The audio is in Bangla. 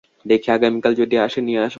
দেখি, আগামীকাল যদি আসে, নিয়ে আসব।